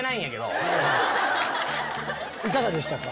いかがでしたか？